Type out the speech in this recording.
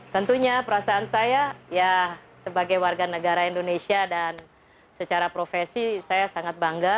tentunya perasaan saya ya sebagai warga negara indonesia dan secara profesi saya sangat bangga